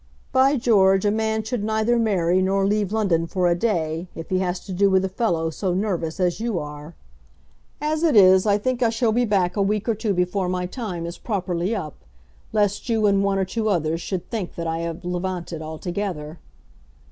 By George, a man should neither marry, nor leave London for a day, if he has to do with a fellow so nervous as you are. As it is I think I shall be back a week or two before my time is properly up, lest you and one or two others should think that I have levanted altogether.